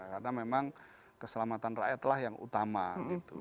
karena memang keselamatan rakyat lah yang utama gitu